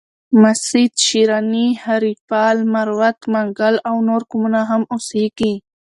مسید، شیراني، هیریپال، مروت، منگل او نور قومونه هم اوسیږي.